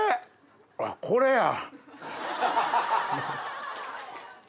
あっこれや！